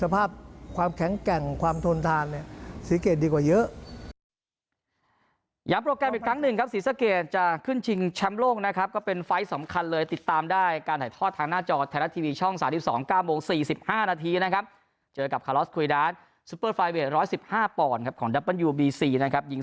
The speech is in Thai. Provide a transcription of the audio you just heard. เพราะฉะนั้นสภาพความแข็งแกร่งความทนทาน